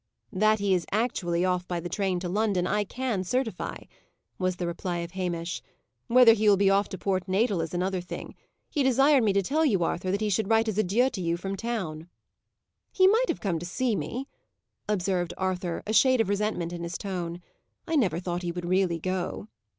"That he is actually off by the train to London, I can certify," was the reply of Hamish. "Whether he will be off to Port Natal, is another thing. He desired me to tell you, Arthur, that he should write his adieu to you from town." "He might have come to see me," observed Arthur, a shade of resentment in his tone. "I never thought he would really go."